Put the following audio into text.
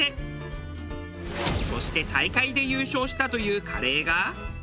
そして大会で優勝したというカレーが。